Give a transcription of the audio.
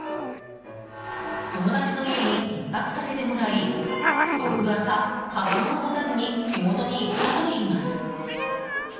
友達の家に１泊させてもらい翌朝、かばんも持たずに仕事に行ったといいます。